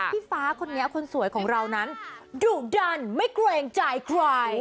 พี่ฟ้าคนนี้คนสวยของเรานั้นดุดันไม่เกรงใจใคร